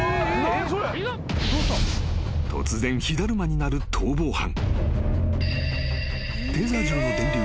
［突然火だるまになる逃亡犯］